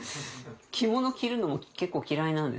着物着るのも結構嫌いなんですよ。